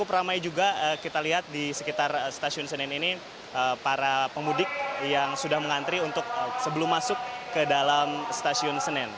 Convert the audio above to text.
dan cukup ramai juga kita lihat di sekitar stasiun senen ini para pemudik yang sudah mengantri untuk sebelum masuk ke dalam stasiun senen